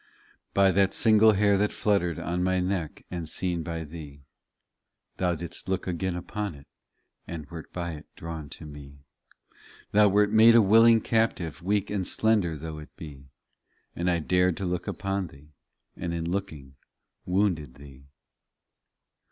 31 By that single hair that fluttered On my neck and seen by Thee Thou did st look again upon it And wert by it drawn to me. Thou wert made a willing captive. Weak and slender though it be, And I dared to look upon Thee, And in looking wounded Thee.